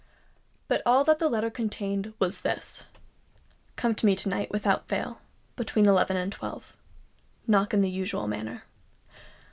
But all that the letter contained was this:— "Come to me to night without fail, between eleven and twelve. Knock in the usual manner."